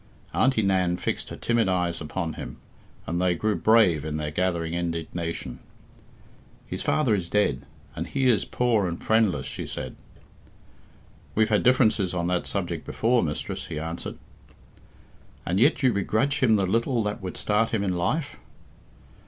Auntie Nan fixed her timid eyes upon him, and they grew brave in their gathering indignation. "His father is dead, and he is poor and friendless," she said. "We've had differences on that subject before, mistress," he answered. "And yet you begrudge him the little that would start him in life."